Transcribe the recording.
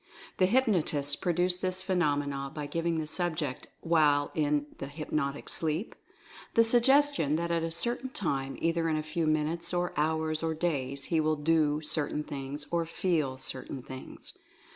The hypnotists pro duce this phenomena by giving the subject while in the hypnotic sleep (?) the suggestion that at a certain time, either in a few minutes, or hours, or days, he will do certain things, or feel certain things.